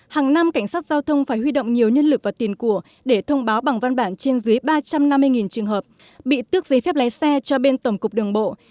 hàng năm cảnh sát giao thông phải huy động nhiều nhân lực và tiền của để thông báo bằng văn bản trên dưới ba trăm năm mươi trường hợp bị tước giấy phép lái xe cho bên tổng cục đường bộ